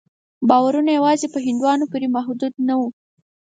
باورونه یوازې په هندوانو پورې محدود نه وو.